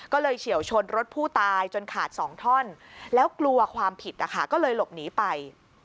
ก็เลยเฉียวชนรถผู้ตายจนขาดสองท่อนแล้วกลัวความผิดนะคะก็เลยหลบหนีไป